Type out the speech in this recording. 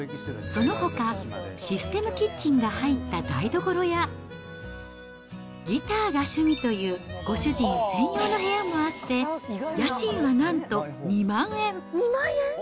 そのほか、システムキッチンが入った台所や、ギターが趣味というご主人専用の部屋もあって、家賃はなんと２万円。